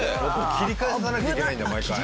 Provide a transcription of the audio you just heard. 切り返さなきゃいけないんだ毎回。